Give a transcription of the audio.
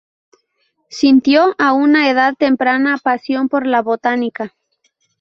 Sintió a una edad temprana pasión por la botánica.